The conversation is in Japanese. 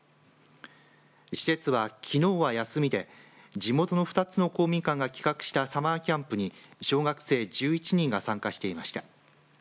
施設は、きのうは休みで地元の２つの公民館が企画したサマーキャンプに小学生１１人が参加していました。